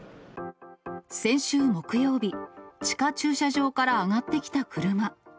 先週木曜日、地下駐車場から上がってきた車。